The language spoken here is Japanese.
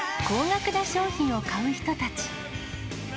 高額な商品を買う人たち。